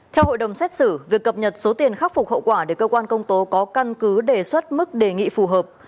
theo hội đồng xét xử việc cập nhật số tiền khắc phục hậu quả để cơ quan công tố có căn cứ đề xuất mức đề nghị phù hợp